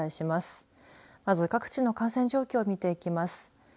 まず各地の感染状況を見ていきます。